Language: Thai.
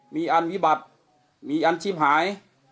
มีอันวิบัติมีอันชีพหาย